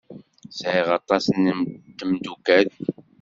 Sɛiɣ aṭas n tmeddukal.